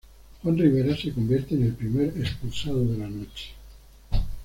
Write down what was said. Juan Rivera se convierte en el primer expulsado de la noche.